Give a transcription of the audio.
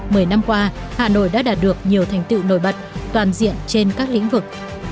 mười năm qua hà nội đã đạt được nhiều thành tựu nổi bật toàn diện trên các lĩnh vực